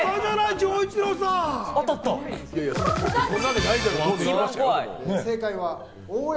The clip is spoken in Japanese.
丈一郎くん！